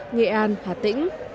nghệ an hà tĩnh